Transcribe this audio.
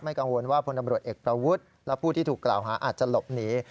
กังวลว่าพลตำรวจเอกประวุฒิและผู้ที่ถูกกล่าวหาอาจจะหลบหนี